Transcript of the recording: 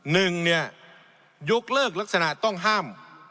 หนึ่งเนี่ยยกเลิกลักษณะต้องห้าม